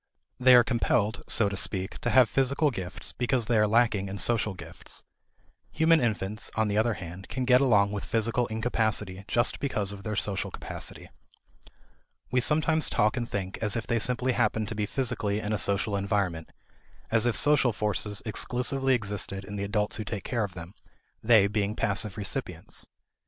They are compelled, so to speak, to have physical gifts because they are lacking in social gifts. Human infants, on the other hand, can get along with physical incapacity just because of their social capacity. We sometimes talk and think as if they simply happened to be physically in a social environment; as if social forces exclusively existed in the adults who take care of them, they being passive recipients.